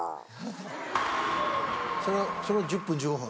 それを１０分１５分？